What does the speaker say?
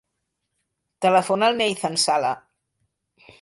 Telefona al Neizan Sala.